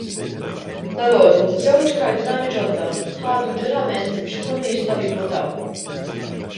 Dalgħodu żewġ Kardinali ġodda ħadu l-ġurament biex ikunu jistgħu jivvotaw.